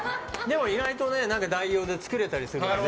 意外と代用で作れたりするので。